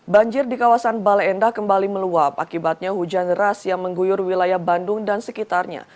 banjir di kawasan bale endah kembali meluap akibatnya hujan deras yang mengguyur wilayah bandung dan sekitarnya